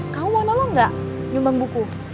kamu mau tolong gak nyumbang buku